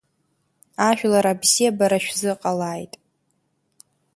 Ажәлар абзиара шәзыҟалааит.